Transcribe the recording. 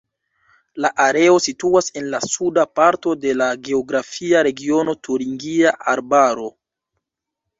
La areo situas en la suda parto de la geografia regiono Turingia Arbaro.